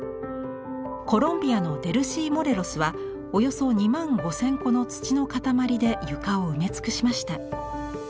コロンビアのデルシー・モレロスはおよそ２万５，０００個の土の塊で床を埋め尽くしました。